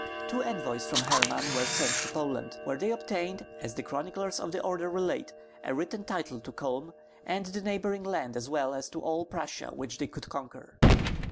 Two envoys from Herman were sent to Poland, where they obtained, as the chronicles of the order relate, a written title to Culm and the neighboring land as well as to all Prussia which they could conquer.